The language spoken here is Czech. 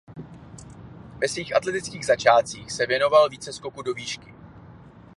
Ve svých atletických začátcích se věnoval více skoku do výšky.